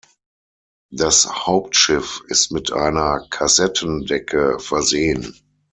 Das Hauptschiff ist mit einer Kassettendecke versehen.